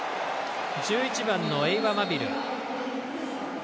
１１番のエイワ・マビル。